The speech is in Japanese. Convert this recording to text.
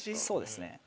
そうですね。